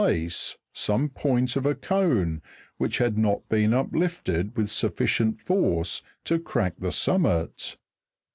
base some point of a cone which had not been uplifted with suffi cient force to crack the summit.